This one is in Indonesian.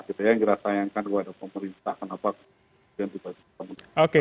kita yang dirasayangkan wah ada pemerintah kenapa kemudian juga